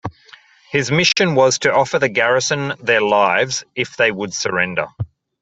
His mission was to offer the garrison their lives if they would surrender.